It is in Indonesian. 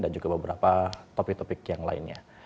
dan juga beberapa topik topik yang lainnya